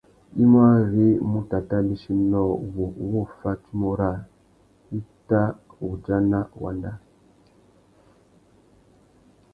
I mú ari mutu a tà bîchi nôō wu wô fá tsumu râā i tà mù udjana wanda.